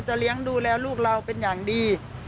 เลี้ยงดูแลลูกเราเป็นอย่างดี